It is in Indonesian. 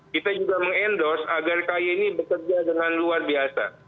kita juga mengendorse agar kay ini bekerja dengan luar biasa